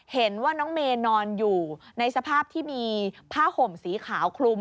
เห็นว่าน้องเมย์นอนอยู่ในสภาพที่มีผ้าห่มสีขาวคลุม